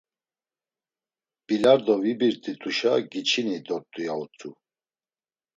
Bilardo vibirt̆ituşa giçini dort̆u, ya utzu.